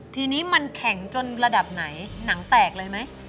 ทีนี้มันแข็งจนระดับไหนหนังแตกเลยไหม